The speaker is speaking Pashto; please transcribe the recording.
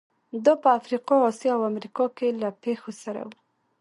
دا په افریقا، اسیا او امریکا کې له پېښو سره وو.